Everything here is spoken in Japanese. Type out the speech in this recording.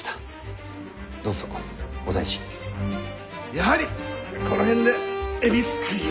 やはりこの辺で海老すくいを。